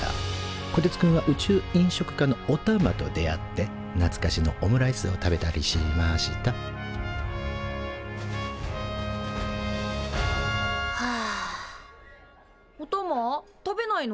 こてつくんは宇宙飲食科のおたまと出会ってなつかしのオムライスを食べたりしましたおたま食べないの？